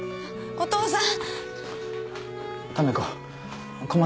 お父さん！